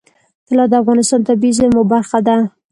طلا د افغانستان د طبیعي زیرمو برخه ده.